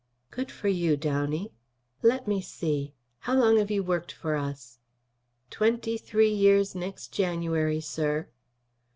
"Good for you, Downey. Let me see, how long have you worked for us?" "Twenty three years next January, sir."